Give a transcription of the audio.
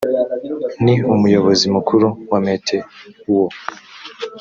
ni umuyobozi mukuru wa meteo